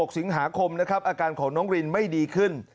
สิงหาคมนะครับอาการของน้องรินไม่ดีขึ้น